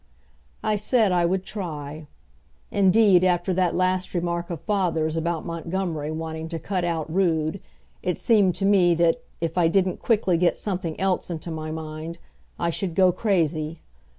I said I would try. Indeed, after that last remark of father's about Montgomery wanting to cut out Rood it seemed to me that, if I didn't quickly get something else into my mind, I should go crazy.